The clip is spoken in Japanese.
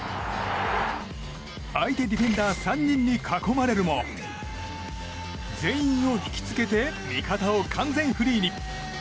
相手ディフェンダー３人に囲まれるも全員を引き付けて味方を完全フリーに。